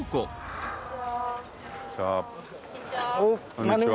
こんにちは。